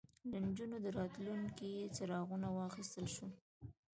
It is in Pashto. له نجونو د راتلونکي څراغونه واخیستل شول